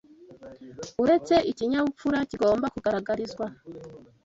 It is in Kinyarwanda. Uretse ikinyabupfura kigomba kugaragarizwa